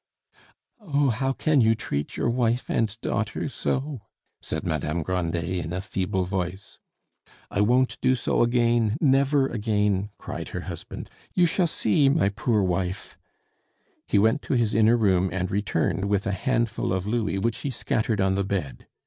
"Oh, how can you treat your wife and daughter so!" said Madame Grandet in a feeble voice. "I won't do so again, never again," cried her husband; "you shall see, my poor wife!" He went to his inner room and returned with a handful of louis, which he scattered on the bed.